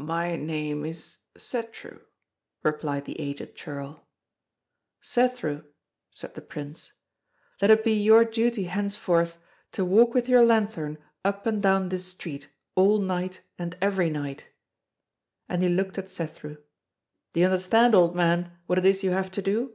"My name is Cethru," replied the aged churl. "Cethru!" said the Prince. "Let it be your duty henceforth to walk with your lanthorn up and down this street all night and every night,"—and he looked at Cethru: "Do you understand, old man, what it is you have to do?"